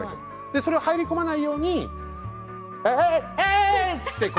それが入り込まないようにああ！